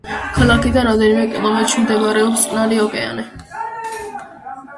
ქალაქიდან რამდენიმე კილომეტრში მდებარეობს წყნარი ოკეანე.